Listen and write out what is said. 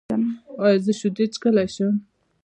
ایا زه شیدې څښلی شم؟